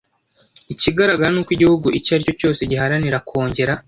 Ikigaragara ni uko igihugu icyo ari cyo cyose giharanira kongera